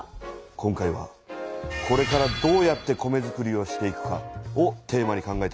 今回は「これからどうやって米づくりをしていくか」をテーマに考えてほしい。